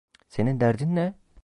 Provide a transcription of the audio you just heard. Senin derdin ne?